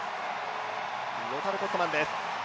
ロタルコットマンです。